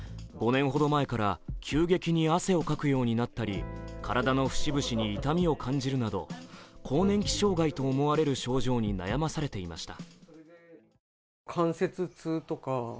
５年ほど前から急激に汗をかくようになったり、体の節々に痛みを感じるなど更年期障害と思われる症状に悩まされていました。